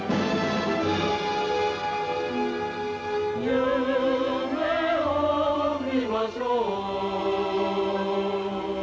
「夢を見ましょう」